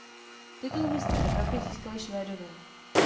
Titul mistra Evropy získali Švédové.